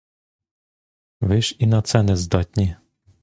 Ви ж і на це нездатні.